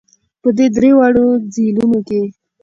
په دې درېواړو ځېلونو کې